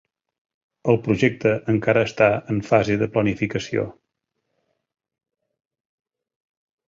El projecte encara està en fase de planificació.